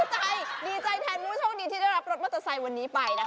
โอ้แต่ว่าดีใจดีใจแทนมูลช่องดีที่ได้รับรถมัตตาไซด์วันนี้ไปนะคะ